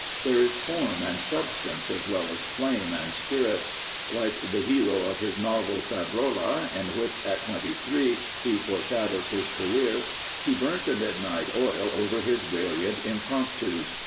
There is form and substance as well as flame and spirit. Like the p^io of his novel Savrola, in which, at twenty three, he foreshadowed his career, he burnt the midnight over his brilliant impromptus.